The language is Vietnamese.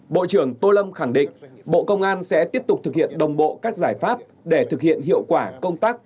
bộ trưởng tô lâm khẳng định bộ công an sẽ tiếp tục thực hiện đồng bộ các giải pháp để thực hiện hiệu quả công tác